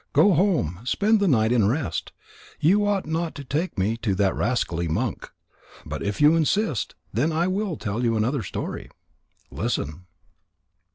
Go home. Spend the night in rest. You ought not to take me to that rascally monk. But if you insist, then I will tell you another story. Listen."